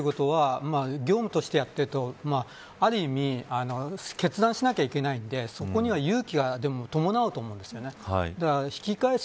引き返すということは業務としてやっているとある意味決断しなければいけないのでそこには勇気が伴うと思うんです。